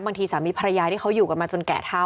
สามีภรรยาที่เขาอยู่กันมาจนแกะเท่า